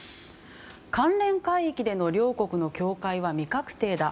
関連海域での両国の境界は未画定だ。